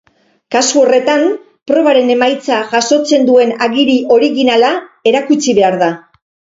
Kasu horretan, probaren emaitza jasotzen duen agiri originala erakutsi behar da.